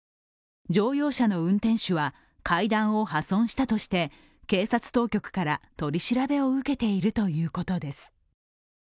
乗用車の運転手は、階段を破損したとして警察当局から取り調べを受けているということです。